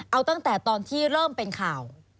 เอาตั้งแต่ตอนที่เริ่มเป็นข่าว